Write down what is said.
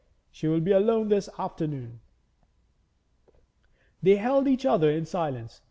She will be alone this afternoon.' They held each other in silence.